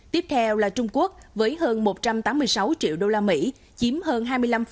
tiếp theo là trung quốc với hơn một trăm tám mươi sáu triệu đô la mỹ chiếm hơn hai mươi năm